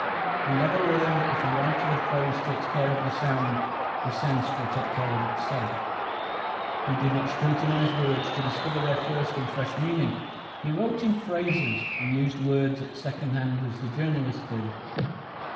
He never learned that if a writer of prose takes care of the sound the sense will take care of itself. He did not scrutinize words to discover their first and fresh meaning. He wrote in phrases, and used words at second hand as the journalists do.